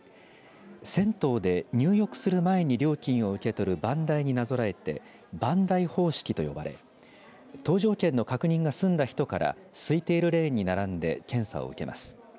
銭湯で入浴する前に料金を受け取る番台になぞらえて番台方式と呼ばれ搭乗券の確認が済んだ人から空いているレーンに並んで検査を受けます。